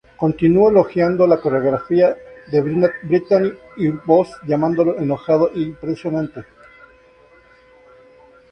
Continuó elogiando la coreografía de Brittany y voz, llamándolo "enojado" y "impresionante".